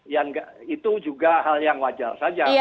ya itu juga hal yang wajar saja